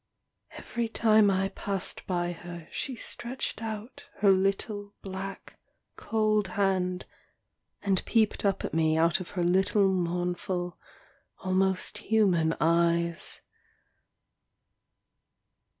Every time I passed by her she stretched out her little, black, cold hand, and peeped up at me out of her little mournful, almost human eyes.